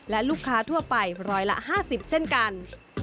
และลูกค้าทั่วไปร้อยละ๕๐เช่นกัน